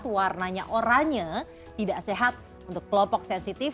warnanya oranye tidak sehat untuk kelompok sensitif